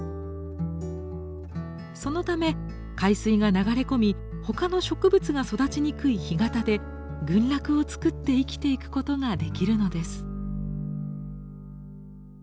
そのため海水が流れ込み他の植物が育ちにくい干潟で群落を作って生きていくことができるのです。